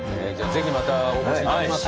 ぜひまたお越しいただけますか？